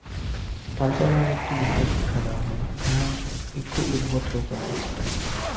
তারপর আর একটি বিষয় শিক্ষা দেওয়া হয়, ইহা একটু অদ্ভুত রকমের।